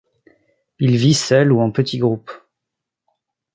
Il vit seul ou en petits groupes.